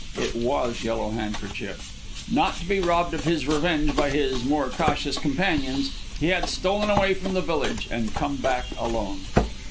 It was Yellow Handkerchief. Not to be robbed of his revenge by his more cautious companions, he had stolen away from the village and come back alone.